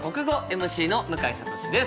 ＭＣの向井慧です。